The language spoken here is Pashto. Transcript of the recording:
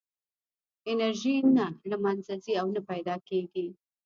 انرژي نه له منځه ځي او نه پیدا کېږي.